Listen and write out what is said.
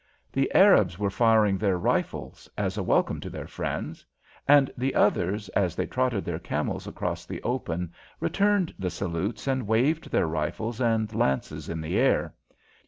The Arabs were firing their rifles as a welcome to their friends, and the others as they trotted their camels across the open returned the salutes and waved their rifles and lances in the air.